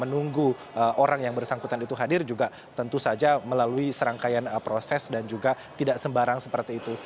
menunggu orang yang bersangkutan itu hadir juga tentu saja melalui serangkaian proses dan juga tidak sembarang seperti itu